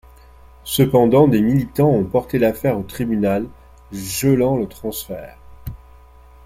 Cependant, des militants ont porté l'affaire au tribunal gelant le transfert.